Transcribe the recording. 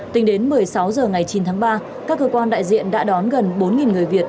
tính đến một mươi sáu h ngày chín tháng ba các cơ quan đại diện đã đón gần bốn người việt